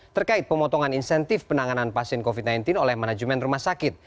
terkait pemotongan insentif penanganan pasien covid sembilan belas oleh manajemen rumah sakit